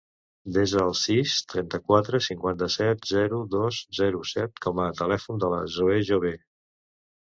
Desa el sis, trenta-quatre, cinquanta-set, zero, dos, zero, set com a telèfon de la Zoè Jove.